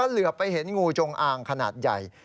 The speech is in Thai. เหลือไปเห็นงูจงอางขนาดใหญ่